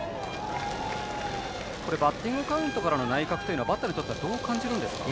バッティングカウントからの内角はバッターにとってはどう感じるんですか？